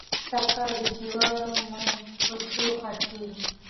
سږکال د جوارو من په څو خرڅېږي؟